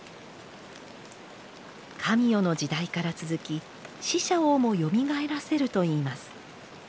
神代の時代から続き死者をもよみがえらせるといいます。